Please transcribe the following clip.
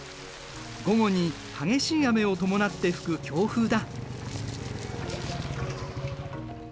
午後に激しい雨を伴って吹く強風だ。